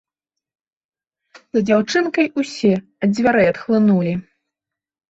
За дзяўчынкай усе ад дзвярэй адхлынулі.